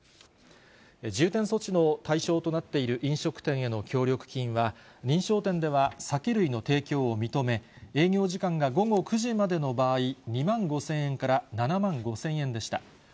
重点措置の対象となっている飲食店への協力金は、認証店では酒類の提供を認め、営業時間が午後９時までの場合、２万５０００円から７万５０００円でした。